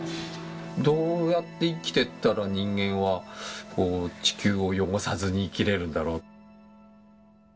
どうやって生きてったら、人間は地球を汚さずに生きれるんだろう。